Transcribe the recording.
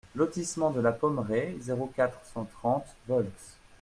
Lotissement de la Pommeraie, zéro quatre, cent trente Volx